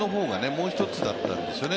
もうひとつだったんですよね。